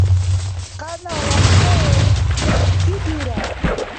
Къянала къел далкӀти дирар.